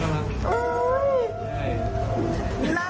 หน้าตาดูไม่จีนใจ